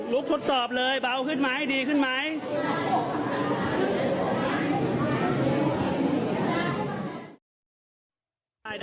ทดสอบเลยเบาขึ้นไหมดีขึ้นไหม